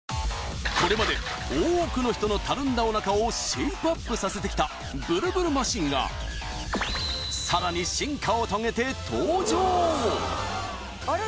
これまで多くの人のたるんだお腹をシェイプアップさせて来たブルブルマシンがさらにあれ？